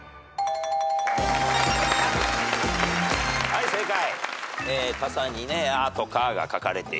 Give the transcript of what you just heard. はい正解。